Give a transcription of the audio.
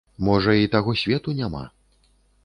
Можа, і таго свету няма?